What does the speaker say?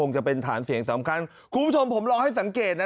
จะเป็นฐานเสียงสำคัญคุณผู้ชมผมลองให้สังเกตนะ